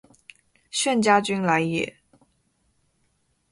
炫家军来也！